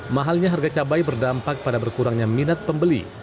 mahalnya harga cabai berdampak pada berkurangnya minat pembeli